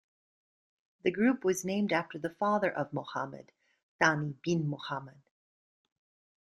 The group was named after the father of Mohammad, Thani bin Mohammad.